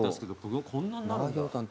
こんなになるんだ。